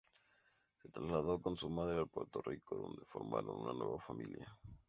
Se trasladó con su madre a Puerto Rico donde formaron una nueva familia.